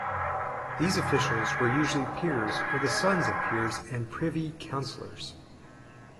These officials were usually peers or the sons of peers and Privy Councillors.